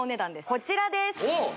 こちらです